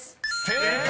［正解！